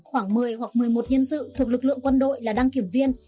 khoảng một mươi hoặc một mươi một nhân sự thuộc lực lượng quân đội là đăng kiểm viên